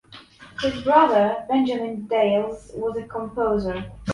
His brother Benjamin Dale was a composer.